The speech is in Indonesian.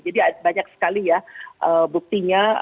jadi banyak sekali ya buktinya